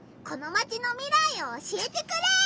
このマチの未来を教えてくれ！